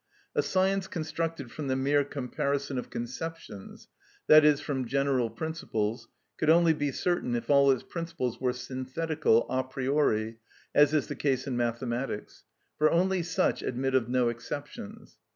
A science constructed from the mere comparison of conceptions, that is, from general principles, could only be certain if all its principles were synthetical a priori, as is the case in mathematics: for only such admit of no exceptions.